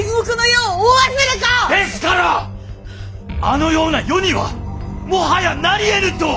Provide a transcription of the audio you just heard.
ですからあのような世にはもはやなりえぬと。